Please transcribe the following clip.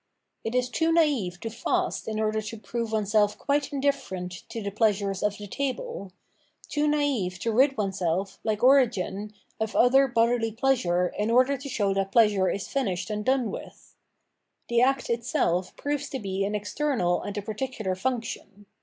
It is too naive to fast in order to prove one self quite in diff erent to the pleasures of the table; too naive to rid oneself, like Origen, of other bodily pleasure ui order to show that pleasure is finished and done with. The act itself proves to be an external and a particular function.